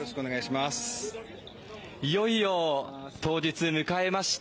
いよいよ、当日、迎えました。